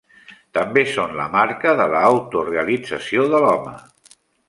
També són la marca de l'auto-realització de l'home.